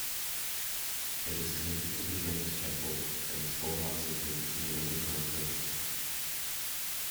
It is connected to the campus chapel and the Spoelhof Center via underground tunnels.